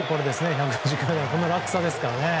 １４０キロ台というこの落差ですからね。